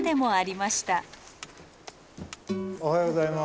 おはようございます。